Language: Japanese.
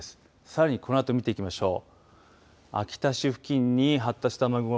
さらにこのあと見ていきましょう。